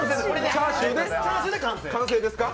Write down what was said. チャーシューで完成ですか？